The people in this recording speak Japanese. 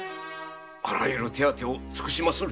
あらゆる手当てを尽くしまする。